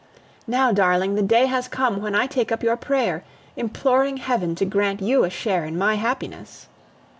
Now, darling, the day has come when I take up your prayer, imploring Heaven to grant you a share in my happiness.